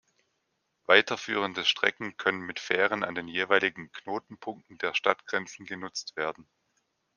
Weiterführende Strecken können mit Fähren an den jeweiligen Knotenpunkten der Stadtgrenzen genutzt werden.